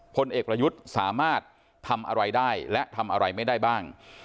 พลเอกประยุทธ์สามารถทำอะไรได้และทำอะไรไม่ได้บ้าง